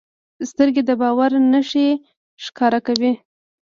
سترګې د باور نښې ښکاره کوي